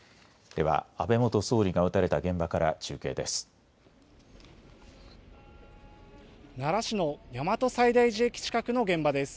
では安倍元総理が撃たれた現場から中継です。